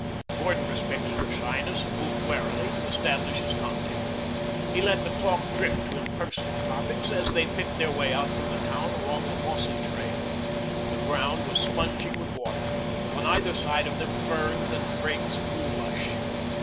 Gordon respected her shyness and moved warily to establish his contact. He let the talk drift to impersonal topics as they picked their way out from the town along the mossy trail. The ground was spongy with water. On either side of them ferns and brakes grew lush.